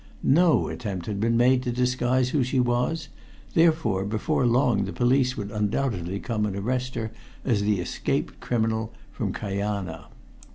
No attempt had been made to disguise who she was, therefore before long the police would undoubtedly come and arrest her as the escaped criminal from Kajana.